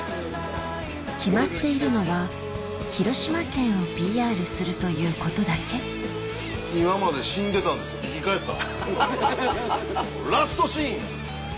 決まっているのは広島県をＰＲするということだけ今まで死んでたんです生き返った。